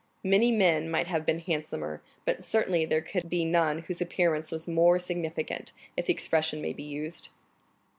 Many men might have been handsomer, but certainly there could be none whose appearance was more significant, if the expression may be used.